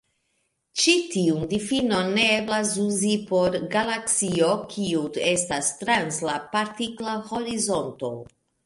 Ĉi tiun difinon ne eblas uzi por galaksio kiu estas trans la partikla horizonto.